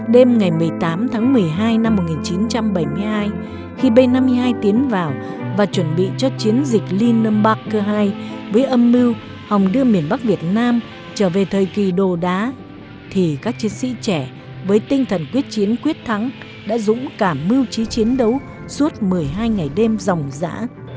đêm ngày một mươi tám tháng một mươi hai năm một nghìn chín trăm bảy mươi hai khi b năm mươi hai tiến vào và chuẩn bị cho chiến dịch linh nâm bạc cơ hai với âm mưu hòng đưa miền bắc việt nam trở về thời kỳ đồ đá thì các chiến sĩ trẻ với tinh thần quyết chiến quyết thắng đã dũng cả mưu trí chiến đấu suốt một mươi hai ngày đêm dòng dã